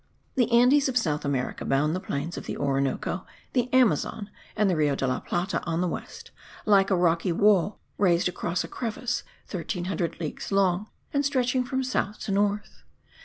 The Andes of South America bound the plains of the Orinoco, the Amazon, and the Rio de la Plata, on the west, like a rocky wall raised across a crevice 1300 leagues long, and stretching from south to north.